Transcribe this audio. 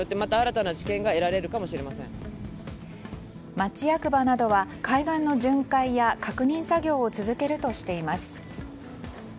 町役場などは海岸の巡回や確認作業を続けるとしています。